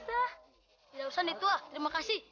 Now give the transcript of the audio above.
tidak usah nde tua terima kasih